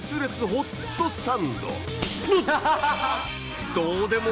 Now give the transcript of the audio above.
ホットサンド！』